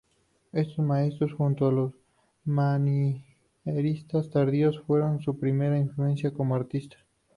Estos maestros, junto a los manieristas tardíos fueron su primera influencia como artista.